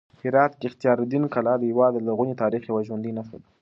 هرات کې اختیار الدین کلا د هېواد د لرغوني تاریخ یوه ژوندۍ نښه ده.